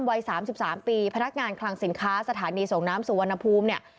วัย๓๓ปีพนักงานคลังสินค้าสถานีส่งน้ำสุวรรณภูมิเนี่ย